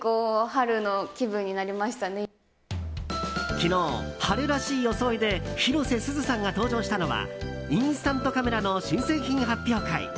昨日、春らしい装いで広瀬すずさんが登場したのはインスタントカメラの新製品発表会。